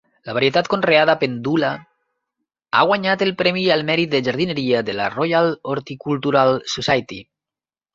La varietat conreada "Pendula" ha guanyat el premi al mèrit de jardineria de la Royal Horticultural Society.